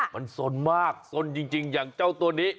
มันสนมากสนจริงอย่างเจ้าตัวนี้